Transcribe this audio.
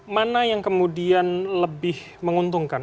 mana yang kemudian lebih menguntungkan